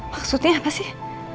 maksudnya apa sih